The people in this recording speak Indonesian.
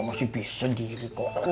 masih bisa diri kok